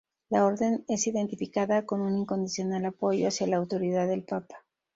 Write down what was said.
La Orden es identificada con un incondicional apoyo hacia la autoridad del papa.